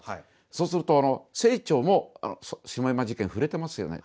そうすると清張も「下山事件」触れてますよね。